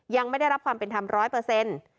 ยังไม่ได้รับความเป็นธรรมร้อยเปอร์เซ็นต์